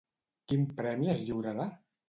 Quin premi es lliurarà?